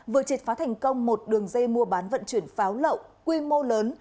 vừa triệt phá thành công một đường dây mua bán vận chuyển pháo lậu quy mô lớn